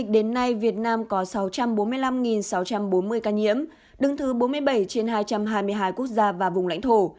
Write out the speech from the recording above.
đến nay việt nam có sáu trăm bốn mươi năm sáu trăm bốn mươi ca nhiễm đứng thứ bốn mươi bảy trên hai trăm hai mươi hai quốc gia và vùng lãnh thổ